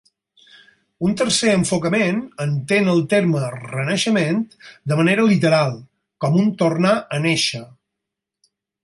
Un tercer enfocament entén el terme "renaixement" de manera literal, com un "tornar a néixer".